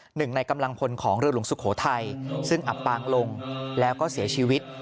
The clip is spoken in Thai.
หนึ่งในกำลังพลของเรือหลวงสุโขทัยซึ่งอับปางลงแล้วก็เสียชีวิต